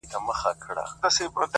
دا سړی گوره چي بيا څرنگه سرگم ساز کړي